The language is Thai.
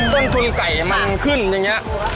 ต้นทุนไก่มันขึ้นอย่างนี้